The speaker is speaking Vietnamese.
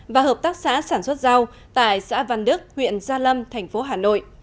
và hợp tác xã sản xuất rau tại xã văn đức huyện gia lâm thành phố hà nội